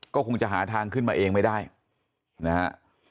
ก็คงจะหาทางขึ้นมาเองไม่ได้นะฮะ